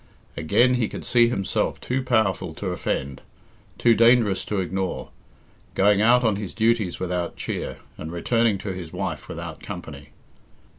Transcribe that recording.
Again, he could see himself too powerful to offend, too dangerous to ignore, going out on his duties without cheer, and returning to his wife without company.